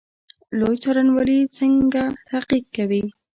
لوی څارنوالي څنګه تحقیق کوي؟